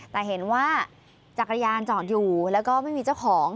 แต่เห็นว่าจักรยานจอดอยู่แล้วก็ไม่มีเจ้าของ